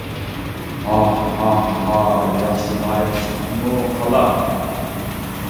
ھا ھا ھا ياخشى لايىق چىقىپمۇ قالا.